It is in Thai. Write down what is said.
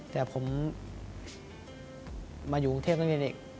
แต่ผมมาอยู่อุงเทศตั้งแต่เด็ก